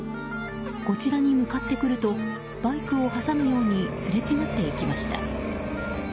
こちらに向かってくるとバイクを挟むようにすれ違っていきました。